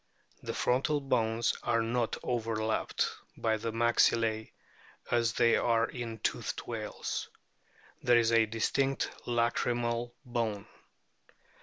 The frontal bones are not overlapped by the maxillae as they are in toothed whales. There is a distinct lacrymal bone.